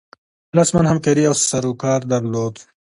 رسما همکاري او سروکار درلود.